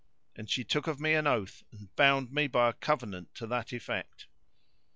And she took of me an oath and bound me by a covenant to that effect.